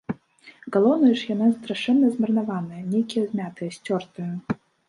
Галоўнае ж, яны страшэнна змарнаваныя, нейкія змятыя, сцёртыя.